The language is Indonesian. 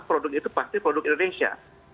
produk itu pasti produk indonesia